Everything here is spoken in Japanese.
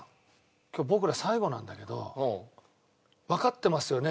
今日僕ら最後なんだけどわかってますよね？